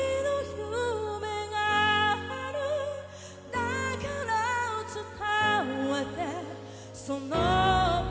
「だから伝えてその想いを」